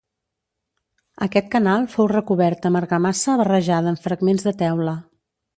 Aquest canal fou recobert amb argamassa barrejada amb fragments de teula.